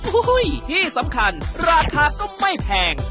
โอ้โหที่สำคัญราคาก็ไม่แพง